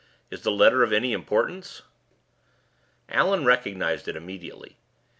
"Is the letter of any importance?" Allan recognized it instantly.